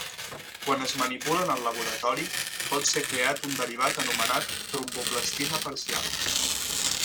Quan es manipulen al laboratori, pot ser creat un derivat anomenat tromboplastina parcial.